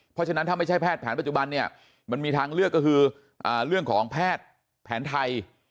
เพราะฉะนั้นถ้าไม่ใช่แพทย์แผนปัจจุบันเนี่ยมันมีทางเลือกก็คือเรื่องของแพทย์แผนไทย